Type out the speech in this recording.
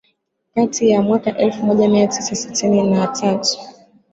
kati ya mwaka elfu moja mia tisa sitini na tatu